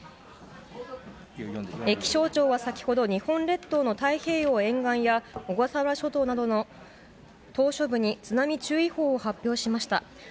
気象庁は先ほど日本列島の太平洋沿岸や小笠原諸島などの島しょ部に津波注意報を発表しました。